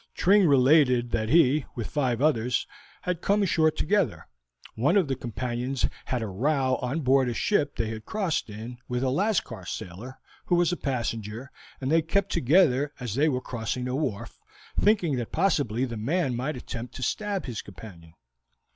Tring related that he, with five others, had come ashore together; one of his companions had a row on board a ship they had crossed in, with a Lascar sailor, who was a passenger, and they kept together as they were crossing the wharf, thinking that possibly the man might attempt to stab his companion.